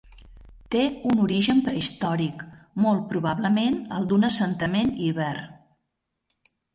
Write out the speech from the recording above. Té un origen prehistòric, molt probablement el d'un assentament iber.